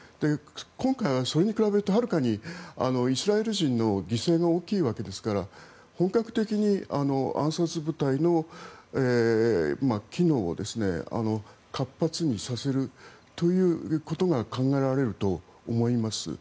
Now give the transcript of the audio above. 今回はそれに比べてはるかにイスラエル人の犠牲が大きいわけですから本格的に暗殺部隊の機能を活発にさせるということが考えられると思います。